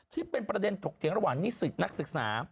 ที่เป็นประเด็นถกเถียงระหว่างนิสิตนักศึกษา